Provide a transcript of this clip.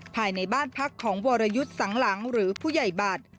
ภายในบ้านพักของวรยุทธ์สังหลังหรือผู้ใหญ่บัตร